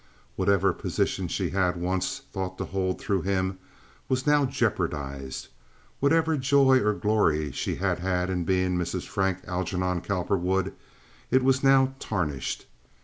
Whatever position she had once thought to hold through him, was now jeopardized. Whatever joy or glory she had had in being Mrs. Frank Algernon Cowperwood, it was now tarnished.